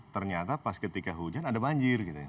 ternyata pas ketika hujan ada banjir gitu ya